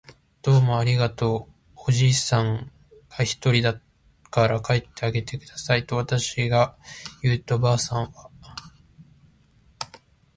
「どうもありがとう。」おじいさんがひとりだから帰ってあげてください。」とわたしが言うと、ばあさんは